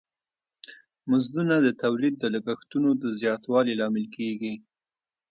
مزدونه د تولید د لګښتونو د زیاتوالی لامل کیږی.